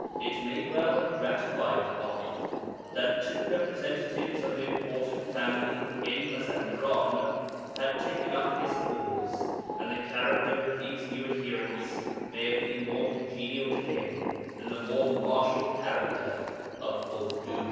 It may well have gratified the Bāb that two representatives of an important family in Mazandaran had taken up his cause, and the character of these new adherents may have been more congenial to him than the more martial character of Ḳuddus.